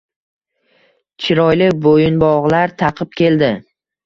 Chiroyli boʻyinbogʻlar taqib keldi.